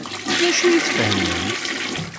D acu ay tfehmemt?